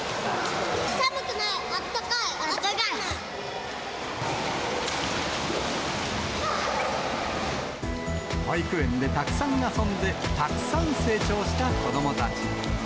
寒くない、保育園でたくさん遊んで、たくさん成長した子どもたち。